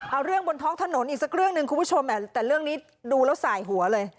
เอาเรื่องบนท้องถนนอีกสักเรื่องหนึ่งคุณผู้ชมแต่เรื่องนี้ดูแล้วสายหัวเลย